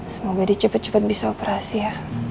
semoga dia cepet cepet bisa operasi ya